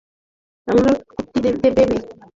আমার কুট্টি বেবি।